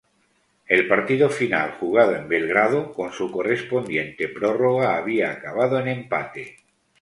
El partido final jugado en Belgrado con su correspondiente prórroga había acabado en empate.